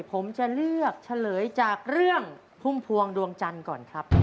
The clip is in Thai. ผมจะเลือกเฉลยจากเรื่องพุ่มพวงดวงจันทร์ก่อนครับ